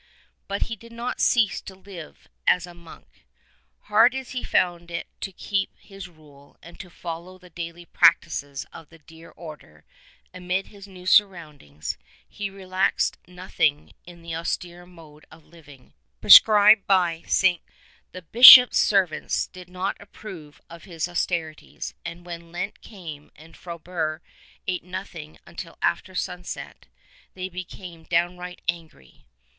But he did not cease to live as a monk. Hard as he found it to keep his Rule and to follow the daily practises of his dear Order amid his new sur roundings, he relaxed nothing in the austere mode of living 145 prescribed by St. Columban. The Bishop's servants did not approve of his austerities, and when Lent came and Frobert ate nothing until after sunset, they became downright angry.